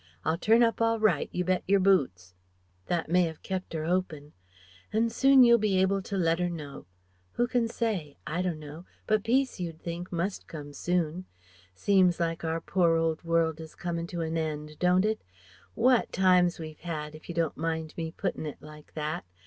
I'll turn up all right, you bet your boots ' "That may 'ave kept 'er 'opin'. An' soon you'll be able to let 'er know. Who can say? I dunno! But Peace, you'd think, must come soon Seems like our poor old world is comin' to an end, don't it? What times we've 'ad if you don't mind me puttin' it like that!